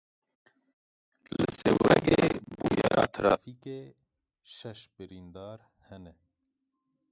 Li Sêwregê bûyera trafîkê, şeş birîndar hene.